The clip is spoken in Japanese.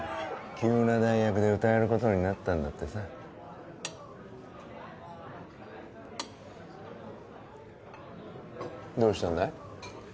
急な代役で歌えることになったんだってさどうしたんだい？